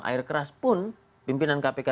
air keras pun pimpinan kpk